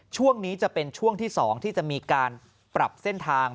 ช่วงนี้จะเป็นช่วงที่๒ที่จะมีการปรับเส้นทาง